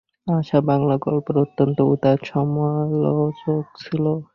আশা বাংলা গল্পের অত্যন্ত উদার সমালোচক ছিল।